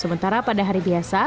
sementara pada hari biasa